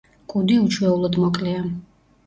კუდი უჩვეულოდ მოკლეა.